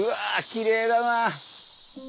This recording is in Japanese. きれいだな。